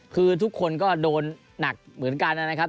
คือทุกคนก็โดนหนักเหมือนกันนะครับ